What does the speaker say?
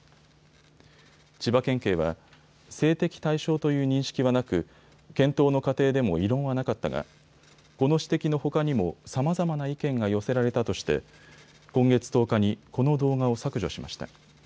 千葉県警は性的対象という認識はなく検討の過程でも異論はなかったがこの指摘のほかにも、さまざまな意見が寄せられたとして今月１０日にこの動画を削除しました。